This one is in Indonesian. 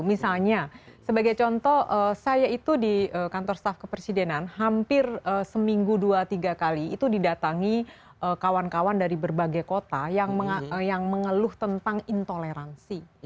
misalnya sebagai contoh saya itu di kantor staf kepresidenan hampir seminggu dua tiga kali itu didatangi kawan kawan dari berbagai kota yang mengeluh tentang intoleransi